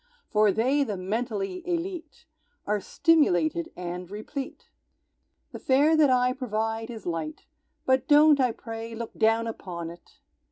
For they, the mentally élite, Are stimulated and replete. The fare that I provide is light, But don't, I pray, look down upon it!